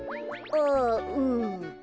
ああうん。